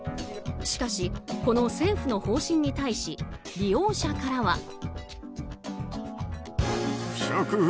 しかし、この政府の方針に対し利用者からは。